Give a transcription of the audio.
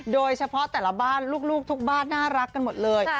โดยเฉพาะแต่ละบ้านลูกทุกบ้านน่ารักกันหมดเลย